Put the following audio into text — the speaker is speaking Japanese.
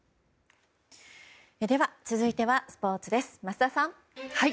では、続いてはスポーツです、桝田さん。